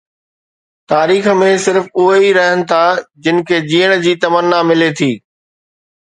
تاريخ ۾ صرف اهي ئي رهن ٿا جن کي جيئڻ جي تمنا ملي ٿي.